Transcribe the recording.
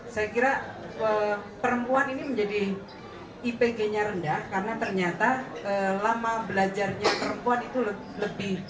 saya kira perempuan ini menjadi ipg nya rendah karena ternyata lama belajarnya perempuan itu lebih